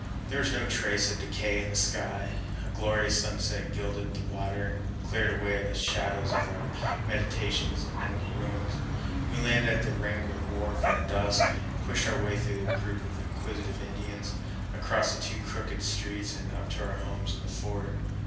There was no trace of decay in the sky; a glorious sunset gilded the water and cleared away the shadows of our meditations among the ruins. We landed at the Wrangell wharf at dusk, pushed our way through a group of inquisitive Indians, across the two crooked streets, and up to our homes in the fort.